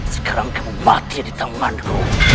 sekarang kamu mati di tamanku